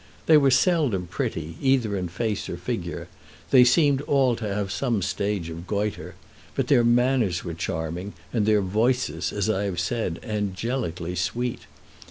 They were seldom pretty either in face or figure; they seemed all to have some stage of goitre; but their manners were charming, and their voices, as I have said, angelically sweet.